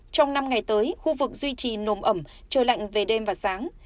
trong năm ngày tới khu vực duy trì nồm ẩm trời lạnh về đêm và sáng